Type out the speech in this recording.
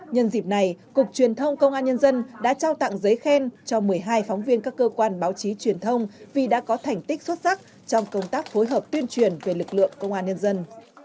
nhân dịp này cục truyền thông công an nhân dân đã trao tặng giấy khen cho một mươi hai phóng viên các cơ quan báo chí truyền thông vì đã có thành tích xuất sắc trong công tác phối hợp tuyên truyền về lực lượng công an nhân dân